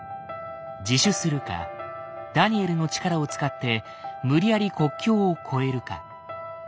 自首するかダニエルの力を使って無理やり国境を越えるか。